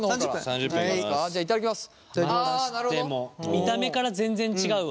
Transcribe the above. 見た目から全然違うわ。